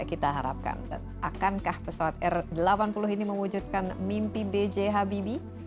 kita harapkan akankah pesawat r delapan puluh ini memwujudkan mimpi bj habibie